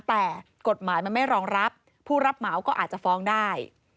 แต่กฎหมายมันไม่รองรับผู้รับเหมาก็อาจจะฟ้องได้